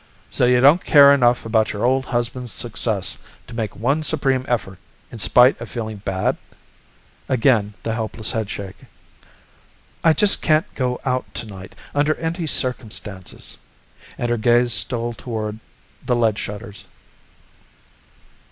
"So you don't care enough about your old husband's success to make one supreme effort in spite of feeling bad?" Again the helpless headshake. "I just can't go out tonight, under any circumstances." And her gaze stole toward the lead shutters.